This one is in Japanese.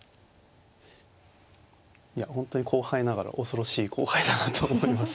いや本当に後輩ながら恐ろしい後輩だなと思います。